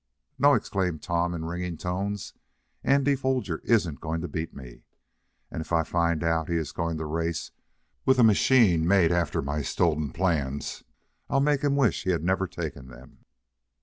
"No!" exclaimed Tom, in ringing tones. "Andy Foger isn't going to beat me, and if I find out he is going to race with a machine made after my stolen plans, I'll make him wish he'd never taken them."